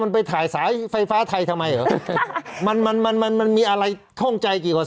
มันไปถ่ายสายไฟฟ้าไทยทำไมเหรอมันมันมันมีอะไรข้องใจกี่กว่า